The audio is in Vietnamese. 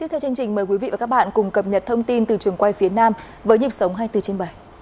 hãy đăng ký kênh để ủng hộ kênh của chúng mình nhé